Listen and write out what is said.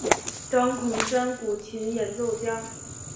张孔山古琴演奏家。